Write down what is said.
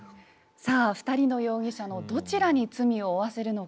さあ２人の容疑者のどちらに罪を負わせるのか。